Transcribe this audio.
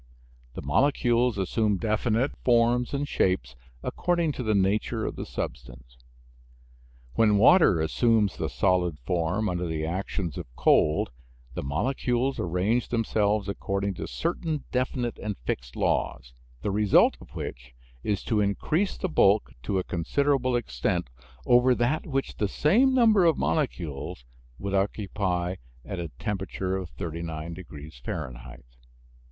The molecules assume definite forms and shapes, according to the nature of the substance. When water assumes the solid form under the action of cold the molecules arrange themselves according to certain definite and fixed laws, the result of which is to increase the bulk to a considerable extent over that which the same number of molecules would occupy at a temperature of 39 degrees Fahrenheit.